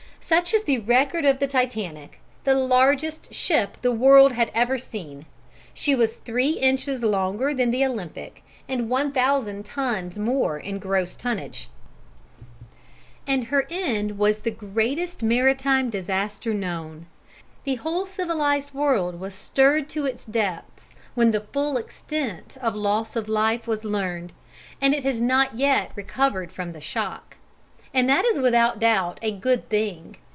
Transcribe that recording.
Such is the record of the Titanic, the largest ship the world had ever seen she was three inches longer than the Olympic and one thousand tons more in gross tonnage and her end was the greatest maritime disaster known. The whole civilized world was stirred to its depths when the full extent of loss of life was learned, and it has not yet recovered from the shock. And that is without doubt a good thing.